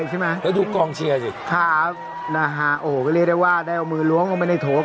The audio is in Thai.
บินย่ามมันถึงอย่างนี้